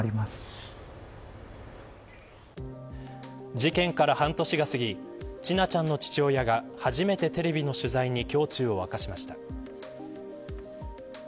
事件から半年が過ぎ千奈ちゃんの父親が初めてテレビの取材に胸中を明かしました。